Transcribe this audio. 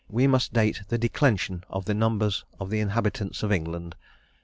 we must date the declension of the numbers of the inhabitants of England."